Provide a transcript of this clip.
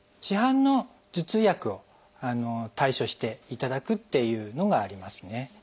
市販の頭痛薬を対処していただくというのがありますね。